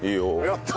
やった！